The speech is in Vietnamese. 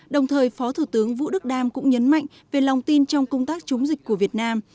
đồng thời phó thủ tướng vũ đức đam cũng nhấn mạnh về lòng tin trong công tác chống dịch của việt nam